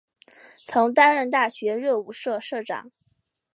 曾担任大学热舞社社长。